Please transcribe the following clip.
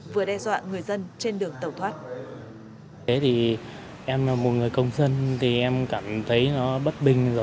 vừa đe dọa người dân trên đường tẩu thoát